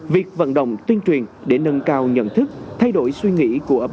việc vận động tuyên truyền để nâng cao nhận thức thay đổi suy nghĩ của